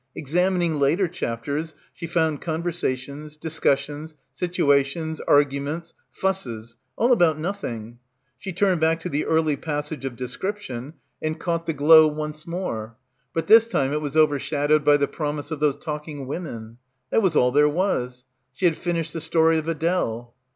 Examining later chapters she found conversa tions, discussions, situations, arguments, "fusses" — all about nothing. She turned back to the — 86 — BACKWATER early passage of description and caught the glow once more. But this time it was overshadowed by the promise of those talking women. That was all there was. She had finished the story of Adele.